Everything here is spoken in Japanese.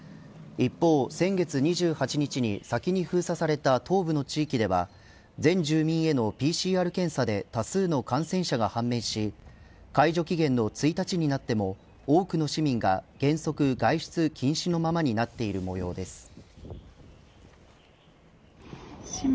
一方、先月２８日に先に封鎖された東部の地域では全住民へのＰＣＲ検査で多数の感染者が判明し解除期限の１日になっても多くの市民が原則外出禁止のままになっている模様です。